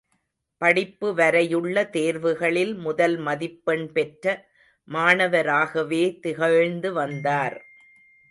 படிப்பு வரையுள்ள தேர்வுகளில் முதல் மதிப்பெண் பெற்ற மாணவராகவே திகழ்ந்து வந்தார்.